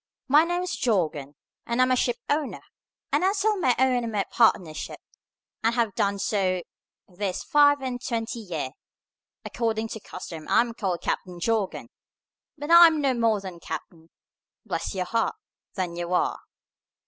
My name's Jorgan, and I'm a ship owner, and I sail my own and my partners' ships, and have done so this five and twenty year. According to custom I am called Captain Jorgan, but I am no more a captain, bless your heart, than you are."